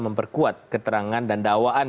memperkuat keterangan dan dakwaan